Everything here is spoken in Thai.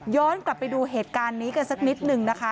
กลับไปดูเหตุการณ์นี้กันสักนิดนึงนะคะ